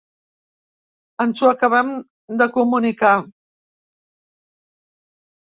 Ens ho acabem de comunicar.